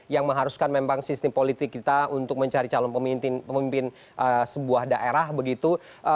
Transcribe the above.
yang mengharuskan memang sistem politik kita untuk mencari calon pemimpin sebuah daerah begitu